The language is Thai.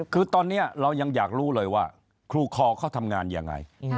คือตอนนี้เรายังอยากรู้เลยว่าครูคอเขาทำงานยังไง